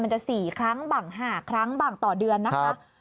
จะ๔ครั้งบาง๕ครั้งบางต่อเดือนนะคะ